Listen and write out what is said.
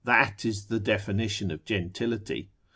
that is the definition of gentility.